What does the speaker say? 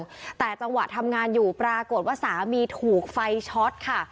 แต่จังหวะทำงานอยู่ปรากฏว่าสามีถูกไฟช็อตค่ะ